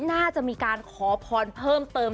น่าจะมีการขอพรเพิ่มเติม